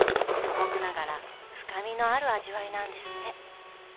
素朴ながら深みのある味わいなんですって。